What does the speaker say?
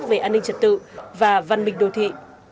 về an ninh trật tự và văn minh đô thị